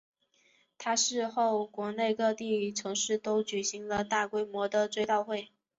他逝世后国内各地城市都举行了大规模的追悼会。